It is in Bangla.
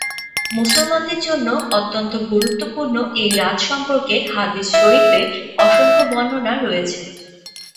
মুসলমানদের জন্য অত্যন্ত গুরুত্বপূর্ণ এই রাত সর্ম্পকে হাদিস শরীফে অসংখ্য বর্ণনা রয়েছে।